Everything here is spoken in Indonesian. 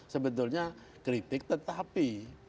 sebetulnya kritik tetapi